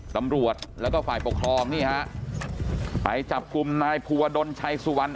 ตำรวจแล้วก็ฝ่ายปกครองนี่ฮะไปจับกลุ่มนายภูวดลชัยสุวรรณ